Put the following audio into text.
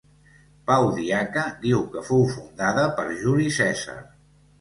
Pau Diaca diu que fou fundada per Juli Cèsar.